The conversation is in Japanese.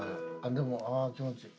でもああー気持ちいい。